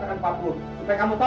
jangan lupa like share dan subscribe